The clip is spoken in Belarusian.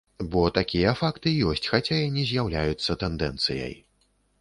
Бо такія факты ёсць, хаця і не з'яўляюцца тэндэнцыяй.